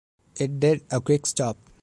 It did a quick stop.